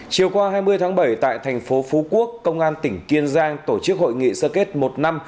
chiều qua hai mươi tháng bảy tại thành phố phú quốc công an tỉnh kiên giang tổ chức hội nghị sơ kết một năm